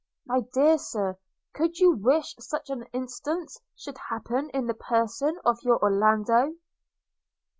My dear Sir, could you wish such an instance should happen in the person of your Orlando?'